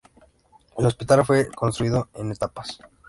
El hospital fue construido en etapas.